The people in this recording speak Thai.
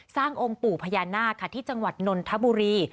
สร้างองค์ปู่พญานาคที่จังหวัดนนทบุรี